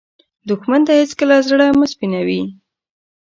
دښمن ته هېڅکله زړه مه سپينوې